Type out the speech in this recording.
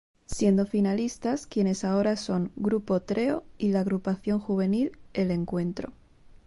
Siendo finalistas quienes ahora son Grupo Treo y la agrupación juvenil El Encuentro.